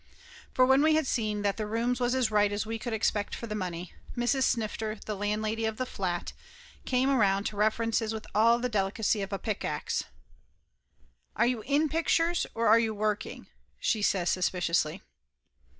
For when we had seen that the rooms was as right as we could expect for the money, Mrs. Snifter, the landlady of the flat, come around to references with all the delicacy of a pickax. "Are you in pictures or are you working?" she says suspiciously.